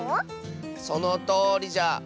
そのとおりじゃ。